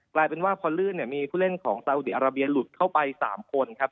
กลายเป็นว่าพอลื่นเนี่ยมีผู้เล่นของซาอุดีอาราเบียหลุดเข้าไป๓คนครับ